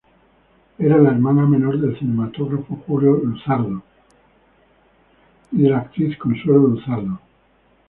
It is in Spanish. Era la hermana menor del cinematógrafo Julio Luzardo y de la actriz Consuelo Luzardo.